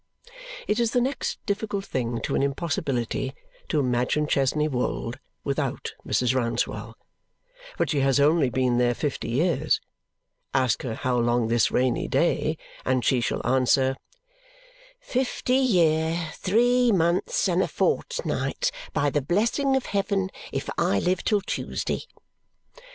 It is the next difficult thing to an impossibility to imagine Chesney Wold without Mrs. Rouncewell, but she has only been here fifty years. Ask her how long, this rainy day, and she shall answer "fifty year, three months, and a fortnight, by the blessing of heaven, if I live till Tuesday."